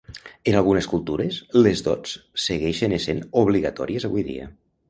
En algunes cultures, les dots segueixen essent obligatòries avui dia.